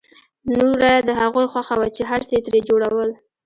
نوره د هغوی خوښه وه چې هر څه یې ترې جوړول